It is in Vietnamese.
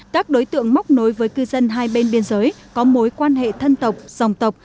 các đối tượng móc nối với cư dân hai bên biên giới có mối quan hệ thân tộc dòng tộc